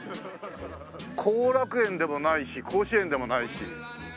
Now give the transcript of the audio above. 後楽園でもないし甲子園でもないし。